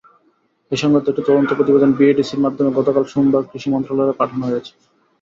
এ–সংক্রান্ত একটি তদন্ত প্রতিবেদন বিএডিসির মাধ্যমে গতকাল সোমবার কৃষি মন্ত্রণালয়ে পাঠানো হয়েছে।